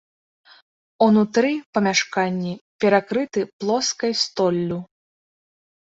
Унутры памяшканні перакрыты плоскай столлю.